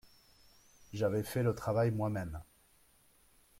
J'avais fait le travail moi-même.